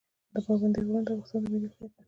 پابندی غرونه د افغانستان د ملي هویت نښه ده.